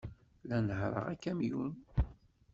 La nehhṛeɣ akamyun.